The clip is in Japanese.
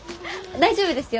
大丈夫ですよ。